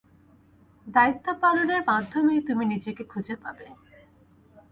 দায়িত্বপালনের মাধ্যমেই তুমি নিজেকে খুঁজে পাবে।